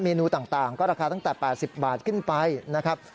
นูต่างก็ราคาตั้งแต่๘๐บาทขึ้นไปนะครับ